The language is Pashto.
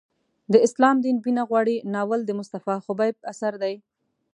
د اسلام دین وینه غواړي ناول د مصطفی خبیب اثر دی.